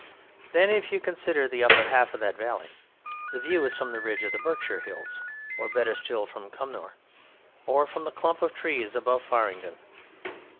Then, if you consider the upper half of that valley, the view is from the ridge of the Berkshire hills, or, better still, from Cumnor, or from the clump of trees above Faringdon.